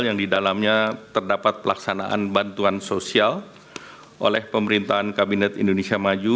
yang di dalamnya terdapat pelaksanaan bantuan sosial oleh pemerintahan kabinet indonesia maju